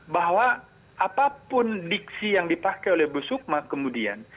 bahwa apapun diksi yang dipakai oleh bu sukma kemudian